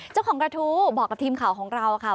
เจ้าของกระทู้บอกกับทีมข่าวของเราค่ะ